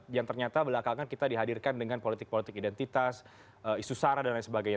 yang ternyata belakangan kita dihadirkan dengan politik politik identitas isu sara dan lain sebagainya